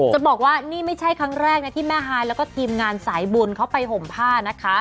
จะบอกว่านี่ไม่ใช่ครั้งแรกนะที่แม่ฮายแล้วก็ทีมงานสายบุญเขาไปห่มผ้านะคะ